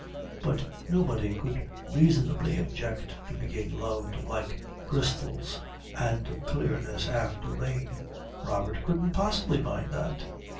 But nobody could reasonably object to being loved like crystals and clearness after rain. Robert couldn't possibly mind that.